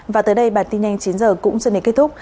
và tới đây bản tin nhanh chín h cũng xin đến kết thúc